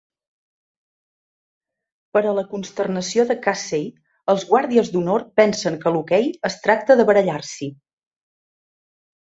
Per a la consternació de Casey, els Guàrdies d'honor pensen que l'hoquei es tracta de barallar-s'hi.